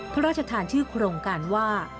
พระราชทานชื่อโครงการว่า